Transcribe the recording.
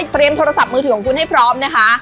โทรศัพท์มือถือของคุณให้พร้อมนะคะ